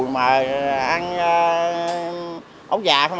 mà ăn ấu già không